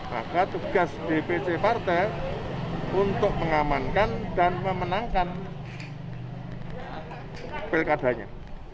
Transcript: maka tugas dpc partai untuk mengamankan dan memenangkan pilkadanya